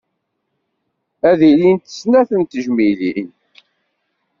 Ad d-ilint snat n tejmilin.